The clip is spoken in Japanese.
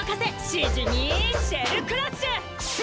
シジミーシェルクラッシュ！